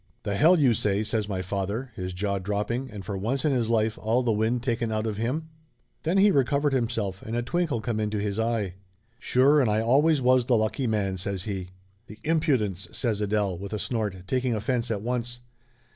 "The hell you say!" says my father, his jaw dropping and for once in his life all the wind taken out of him. 240 Laughter Limited Then he recovered himself and a twinkle come into his eye. "Sure and I always was the lucky man !" says he. "The impudence!" says Adele with a snort, taking offense at once.